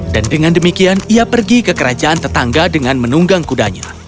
dan dengan demikian ia pergi ke kerajaan tetangga dengan menunggang kudanya